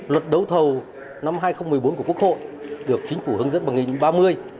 luật đấu thẩu năm hai nghìn một mươi bốn của quốc hội được chính phủ hướng dẫn bằng nghìn ba mươi